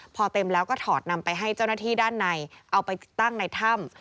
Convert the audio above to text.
พอเต็มแล้วก็ถอดนำไปให้เจ้าหน้าที่ด้านในเอาไปตั้งในถ้ำ